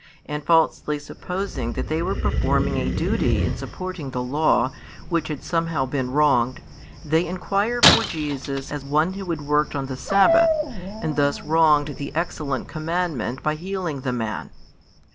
And falsely supposing that they were performing a duty in supporting the law which had somehow been wronged, they inquire for Jesus as one who had worked on the sabbath and thus wronged the excellent commandment by healing the man.